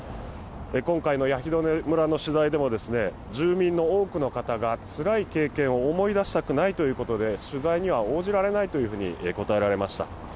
今回のヤヒドネ村の取材でも住民の多くの方がつらい経験を思い出したくないということで取材には応じられないと答えました。